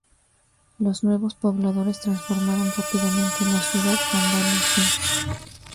Los nuevos pobladores transformaron rápidamente la ciudad andalusí.